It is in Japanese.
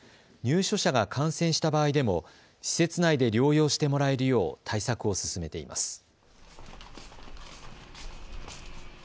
入所者が感染した場合でも施設内で療養してもらえるよう対策を進めています。